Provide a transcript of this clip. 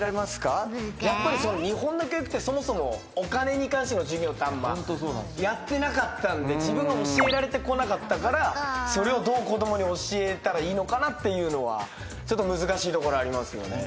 やっぱり日本の教育ってそもそもお金に関しての授業あんまやってなかったんで自分が教えられてこなかったからそれをどう子供に教えたらいいのかなっていうのはちょっと難しいところありますね。